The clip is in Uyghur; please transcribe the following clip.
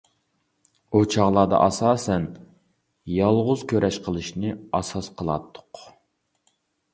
ئۇ چاغلاردا ئاساسەن «يالغۇز كۈرەش» قىلىشنى ئاساس قىلاتتۇق.